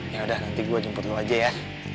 yaudah nanti gue jemput lo aja ya